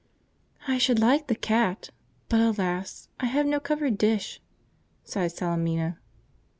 "I should like the cat, but alas! I have no covered dish," sighed Salemina.